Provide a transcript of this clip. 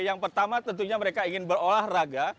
yang pertama tentunya mereka ingin berolahraga